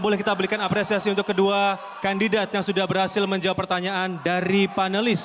boleh kita berikan apresiasi untuk kedua kandidat yang sudah berhasil menjawab pertanyaan dari panelis